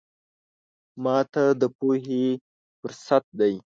ماته د پوهې فرصت دی.